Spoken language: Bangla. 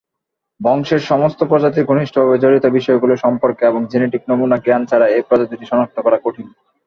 বংশের সমস্ত প্রজাতির ঘনিষ্ঠভাবে জড়িত বিষয়গুলো সম্পর্কে এবং জেনেটিক নমুনা জ্ঞান ছাড়া এ প্রজাতিটি সনাক্ত করা কঠিন।